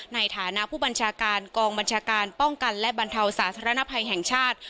ในฐานะผู้บัญชาการกองบัญชาการป้องกันและบรรเทาสาธารณภัยแห่งชาติ